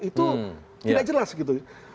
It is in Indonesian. itu tidak jelas gitu